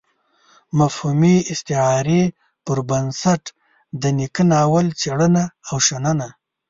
مفهومي استعارې پر بنسټ د نيکه ناول څېړنه او شننه.